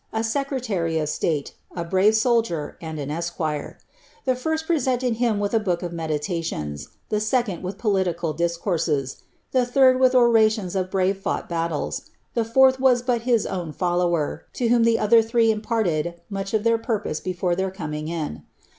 » secretary of stale, a brave soldier, and an esquire. The first preseuieJ him with a book of meditations, the second with political disc.mnfj. ihe third with orations of brave fought baltles, the fourth was bul his own follower, to whom the other three imparted much of their purpi.>se BLIIABBTH. 189 before their coming in.